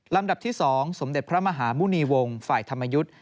ลำดับที่๒สมเด็จพระมหามุณีวงศ์ฝ่ายธรรมยุทธ์